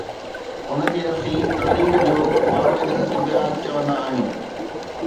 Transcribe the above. ان کي اسين تاريخ جو مابعد الطبعيات چوندا آهيون.